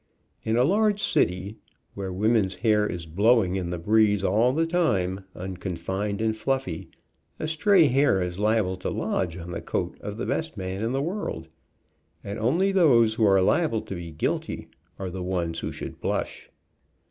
In a large city, where women's hair is blowing in the breeze all the time, unconfined and fluffy, a stray hair is liable to lodge on the coat of the best man in the worlcl, and only those who are liable to be guilty are the ones who should blush.